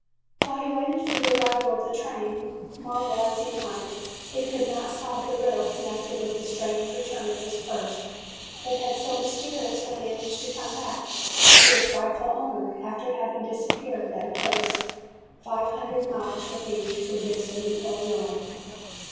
While he waited for the arrival of the train, marvel as he might, he could not solve the riddle connected with the strange return of his purse that had so mysteriously managed to come back to its rightful owner after having disappeared at a place five hundred miles removed from Dixon, Illinois.